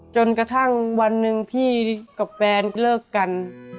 จนกระทั่งวันหนึ่งพี่กับแฟนเลิกกัน